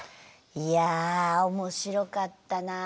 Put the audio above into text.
いやあ面白かったな。